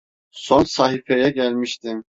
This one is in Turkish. Son sahifeye gelmiştim.